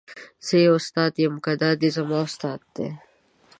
زه یې استاد یم که دای زما استاد دی.